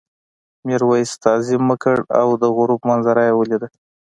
میرويس تعظیم وکړ او د غروب منظره یې ولیده.